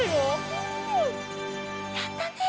うんやったね！